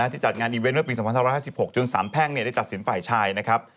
ที่จัดงานอิเวนเมื่อปี๒๐๑๖จนสารแพ่งได้ตัดสินฝ่ายชาย